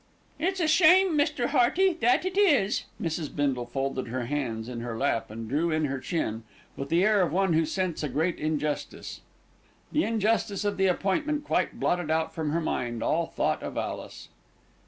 "It's a shame, Mr. Hearty, that it is." Mrs. Bindle folded her hands in her lap and drew in her chin, with the air of one who scents a great injustice. The injustice of the appointment quite blotted out from her mind all thought of Alice.